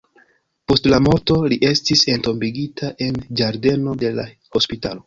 Post la morto li estis entombigita en ĝardeno de la hospitalo.